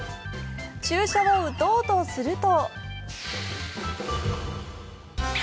注射を打とうとすると。